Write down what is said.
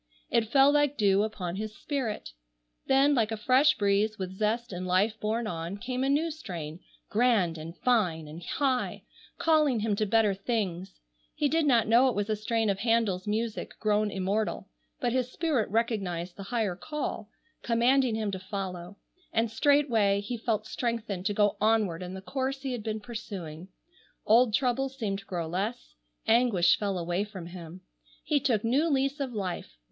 It fell like dew upon his spirit. Then, like a fresh breeze with zest and life borne on, came a new strain, grand and fine and high, calling him to better things. He did not know it was a strain of Handel's music grown immortal, but his spirit recognized the higher call, commanding him to follow, and straightway he felt strengthened to go onward in the course he had been pursuing. Old troubles seemed to grow less, anguish fell away from him. He took new lease of life.